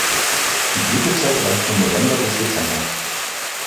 Die Blütezeit reicht von November bis Dezember.